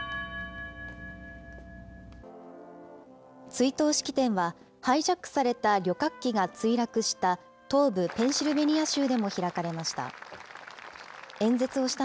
追悼式典は、ハイジャックされた旅客機が墜落した東部ペンシルベニア州でも開かれました。